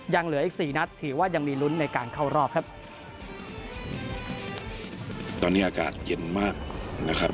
ยังเหลืออีก๔นัดถือว่ายังมีรุ้นในการเข้ารอบครับ